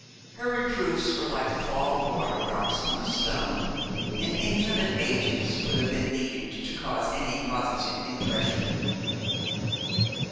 Her reproofs were like the fall of waterdrops on a stone, and infinite ages would have been needed to cause any positive impression.